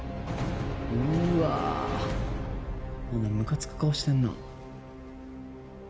うわお前ムカつく顔してんな。